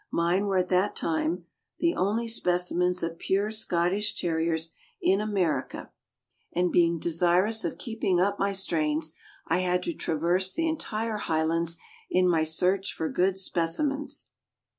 Mine were at that time the only specimens of pure Scottish Terriers in America, and 3O C465) 466 THE AMERICAN BOOK OF THE DOG. being desirous of keeping up my strains, I had to traverse the entire Highlands in my search for good specimens.